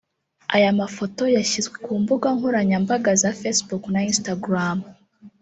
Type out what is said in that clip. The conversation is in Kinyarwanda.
Aya mafoto yashyizwe ku mbuga nkoranyambaga za facebook na Instagram